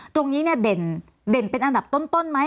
ตรงนี้เนี่ยเป็นอันดับต้นมั้ย